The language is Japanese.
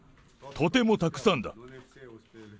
とてもたくさんだ。